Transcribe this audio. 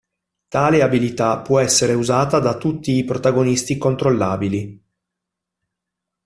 Tale abilità può essere usata da tutti i protagonisti controllabili.